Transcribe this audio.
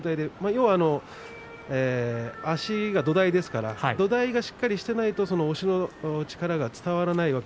要は足が土台ですから土台がしっかりしていないと押しの力が伝わりません。